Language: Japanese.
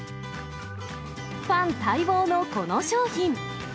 ファン待望のこの商品。